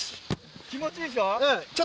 気持ちいいでしょ？